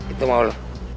itu mau lo